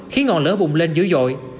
khiến ngọn lửa bùng lên dữ dội